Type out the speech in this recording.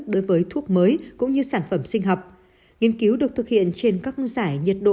đối với thuốc mới cũng như sản phẩm sinh học nghiên cứu được thực hiện trên các giải nhiệt độ